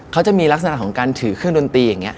เขาจะมีลักษณะของการถือเครื่องดนตรีอย่างนี้